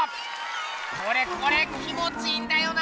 これこれ気もちいいんだよな！